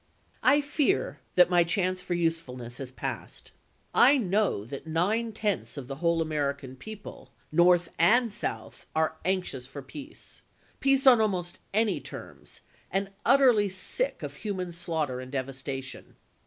I fear that my chance for usefulness has passed. I know that nine tenths of the whole American people, HOEACE GREELEY'S PEACE MISSION 197 North and South, are anxious for peace — peace on almost chap. vni. any terms — and utterly sick of human slaughter and devastation.